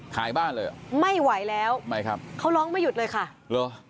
หายบ้านเลยเหรอไม่ไหวแล้วไม่ครับเขาร้องไม่หยุดเลยค่ะเหรอ